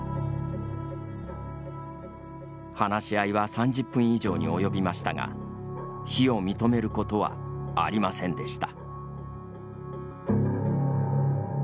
話し合いは３０分以上に及びましたが非を認めることはありませんでした。